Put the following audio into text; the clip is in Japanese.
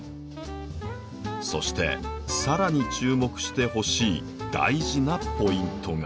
そして更に注目してほしい大事なポイントが。